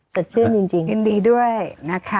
สดชื่นจริงยินดีด้วยนะคะ